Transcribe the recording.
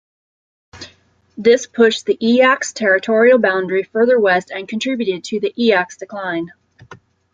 This pushed the Eyak's territorial boundary further west and contributed to the Eyak's decline.